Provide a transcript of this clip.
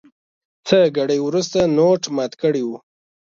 څه ګړی وروسته نوټ مات کړی و.